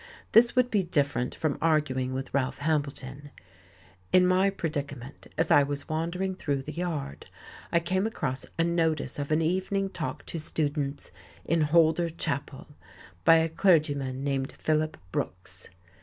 This would be different from arguing with Ralph Hambleton. In my predicament, as I was wandering through the yard, I came across a notice of an evening talk to students in Holder Chapel, by a clergyman named Phillips Brooks.